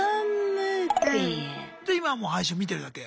じゃ今はもう配信を見てるだけ。